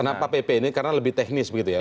kenapa pp ini karena lebih teknis begitu ya